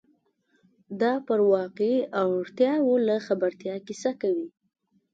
دا پر واقعي اړتیاوو له خبرتیا کیسه کوي.